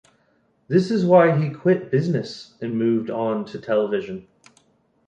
This is why he quit business and moved onto TV.